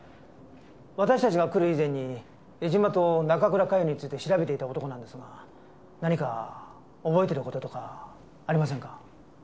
私たちが来る以前に江島と中倉佳世について調べていた男なんですが何か覚えてる事とかありませんか？